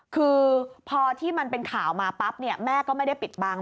คือพอที่มันเป็นข่าวมาปั๊บเนี่ยแม่ก็ไม่ได้ปิดบัง